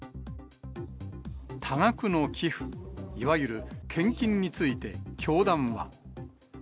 多額の寄付、いわゆる献金について、教団は。